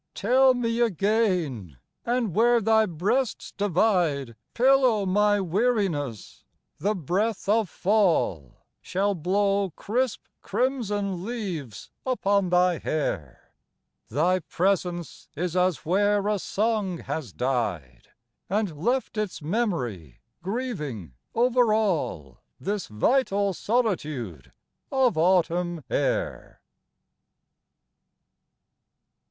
Tell me again, and where thy breasts divide Pillow my weariness the breath of fall Shall blow crisp crimson leaves upon thy hair ; Thy presence is as where a song has died, And left its memory grieving over all This vital solitude of autumn air.